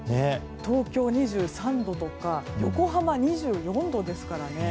東京、２３度とか横浜、２４度ですからね。